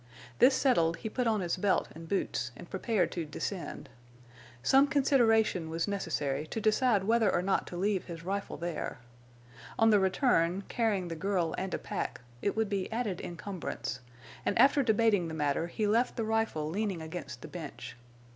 This settled, he put on his belt and boots and prepared to descend. Some consideration was necessary to decide whether or not to leave his rifle there. On the return, carrying the girl and a pack, it would be added encumbrance; and after debating the matter he left the rifle leaning against the bench.